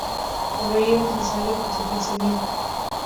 Por ello es necesario protegerse bien.